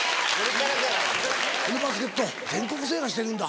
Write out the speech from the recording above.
バスケット全国制覇してるんだ。